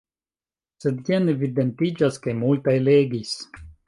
Sed jen evidentiĝas, ke multaj legis.